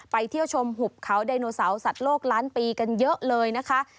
เที่ยวชมหุบเขาไดโนเสาร์สัตว์โลกล้านปีกันเยอะเลยนะคะ